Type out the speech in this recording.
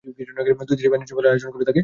দুই দেশই বাণিজ্য মেলার আয়োজন করে থাকে।